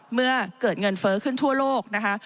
เมื่อเกิดเงินเฟ้อขึ้นทั่วโลกนะคะ